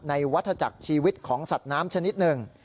วัฒนาจักรชีวิตของสัตว์น้ำชนิดหนึ่ง